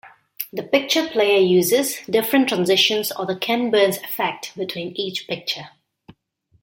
The picture player uses different transitions or the Ken Burns effect between each picture.